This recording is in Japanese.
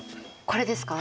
これですか。